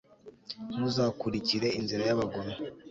ntuzakurikire inzira y'abagome